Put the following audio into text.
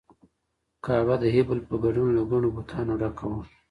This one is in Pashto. کعبه د هبل په ګډون له ګڼو بتانو ډکه وه.